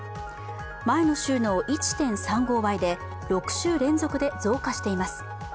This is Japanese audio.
前の週の１．３５倍で、６週連続で増加しています。